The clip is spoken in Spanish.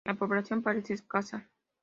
La población parece escasa.